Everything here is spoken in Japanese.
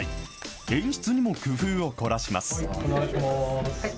演出にも工夫を凝らします。